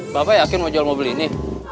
bapak yakin mau jual mobil ini